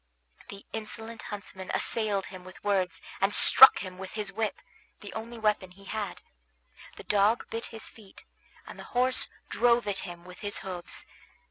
The insolent huntsman assailed him with words, and struck him with his whip, the only weapon he had; the dog bit his feet, and the horse drove at him with his hoofs.